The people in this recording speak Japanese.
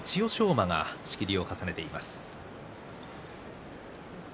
馬が仕切りを重ねています。